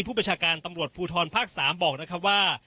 ประชาการตำรวจภูทรภาค๓บอกนะครับว่า